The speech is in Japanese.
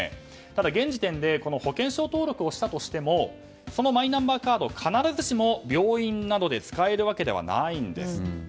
ただ、現時点で保険証登録をしたとしてもそのマイナンバーカードを必ずしも病院などで使えるわけではないんです。